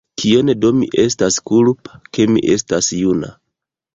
Kion do mi estas kulpa, ke mi estas juna?